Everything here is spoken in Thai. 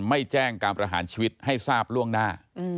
ไม่แจ้งการประหารชีวิตให้ทราบล่วงหน้า